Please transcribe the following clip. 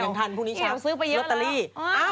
ยังทันพรุ่งนี้ชัดลอตตาลีพี่เหนียวซื้อไปเยอะแล้ว